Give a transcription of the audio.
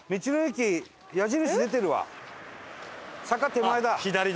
坂手前だ。